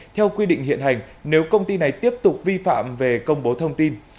theo quy định hiện hành nếu công ty này tiếp tục vi phạm về công bố thông tin